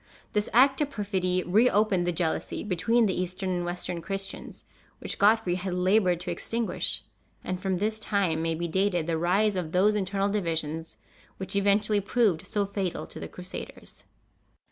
This act of perfidy reopened the jealousy between the Eastern and Western Christians, which Godfrey had labored to extinguish; and from this time may be dated the rise of those internal divisions which eventually proved so fatal to the Crusaders.